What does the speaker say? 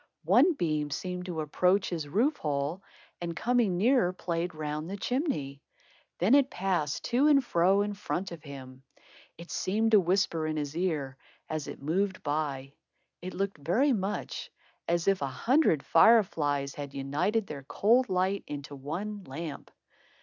One beam seemed to approach his roof hole, and coming nearer played round the chimney. Then it passed to and fro in front of him. It seemed to whisper in his ear, as it moved by. It looked very much as if a hundred fire flies had united their cold light into one lamp.